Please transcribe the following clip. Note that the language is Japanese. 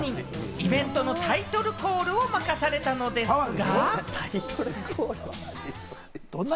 イベントのタイトルコールを任されたのですが。